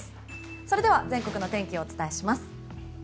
それでは全国のお天気をお伝えします。